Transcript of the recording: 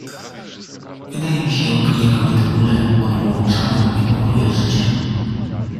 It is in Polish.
Wydaje mi się, jakoby te bóle odłączały mnie powoli od życia.